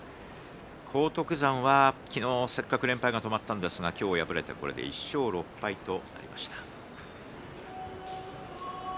荒篤山は昨日、せっかく連敗が止まりましたが今日、敗れてこれで１勝６敗となりました。